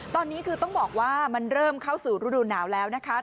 ตอนนี้คือต้องบอกว่ามันเริ่มเข้าสู่ฤดูหนาวแล้วนะคะ